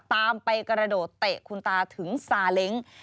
ตามไปกระโดดเตะคุณตาถึงซาเล้ง